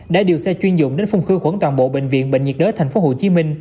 đã điều xe chuyên dụng đến phung khử khuẩn toàn bộ bệnh viện bệnh nhiệt đới tp hcm